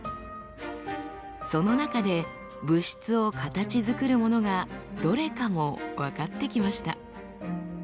その中で物質を形づくるものがどれかも分かってきました。